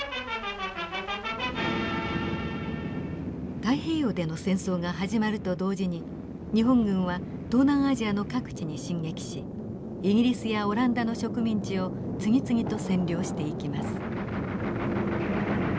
太平洋での戦争が始まると同時に日本軍は東南アジアの各地に進撃しイギリスやオランダの植民地を次々と占領していきます。